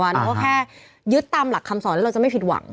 เพราะแค่ยึดตามหลักคำสอนแล้วเราจะไม่ผิดหวัง